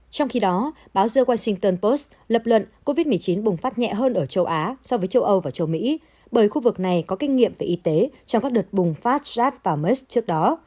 trong khi đó báo the washington post lập luận covid một mươi chín bùng phát nhẹ hơn ở châu á so với châu âu và châu mỹ bởi khu vực này có kinh nghiệm về y tế trong các đợt bùng phát sars và mers trước đó